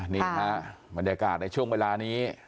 นี่ฮะบรรยากาศในช่วงเวลานี้